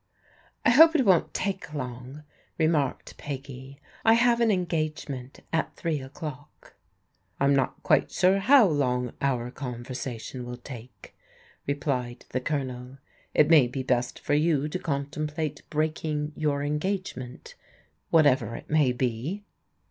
" I hope it won't take long," remarked Peggy; " I have an engagement at three o'clock." " I'm not quite sure how long our conversation will take," replied the Colonel. " It may be best for you to contemplate breaking your engagement, whatever it may be."